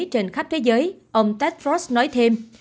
trong khắp thế giới ông tech north nói thêm